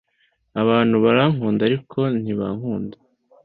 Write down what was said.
abantu barankunda, ariko ntibankunda